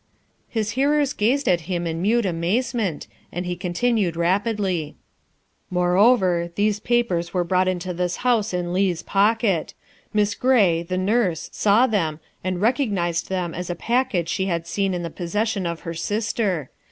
'' His hearers gazed at him in mute amazement, and he continued rapidly :" Moreover, these papers were brought into this house in Leigh's pocket. Miss Gray, the nurse, saw them and recognized them as a package she had seen in the pos session of her sister.